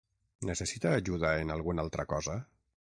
Necessita ajuda en alguna altra cosa?